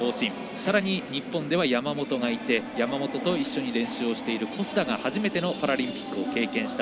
さらに日本では山本がいて山本と一緒に練習をしている小須田が初めてのパラリンピックを経験した。